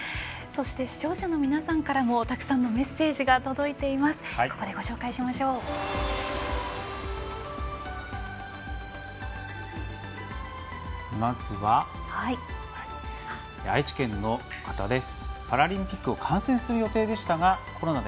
視聴者の皆さんからもたくさんのメッセージが届いていますのでご紹介します。